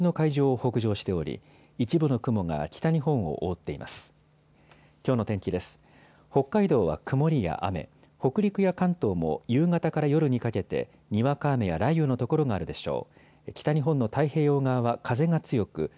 北海道は曇りや雨、北陸や関東も夕方から夜にかけてにわか雨や雷雨のところがあるでしょう。